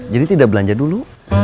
jadi tidak belanja dulu